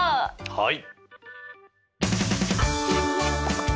はい！